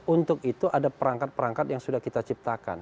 untuk itu ada perangkat perangkat yang sudah kita ciptakan